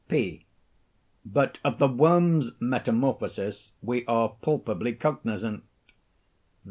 P. But of the worm's metamorphosis we are palpably cognizant.